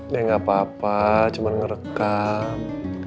ya gak apa apa cuman ngerekam